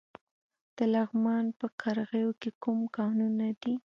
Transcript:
د لغمان په قرغیو کې کوم کانونه دي؟